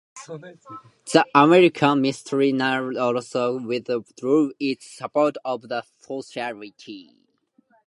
The American Missionary Association withdrew its support of the Society.